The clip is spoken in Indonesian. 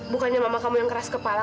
bukannya mama kamu yang keras kepala